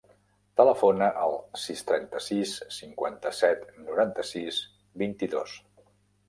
Telefona al sis, trenta-sis, cinquanta-set, noranta-sis, vint-i-dos.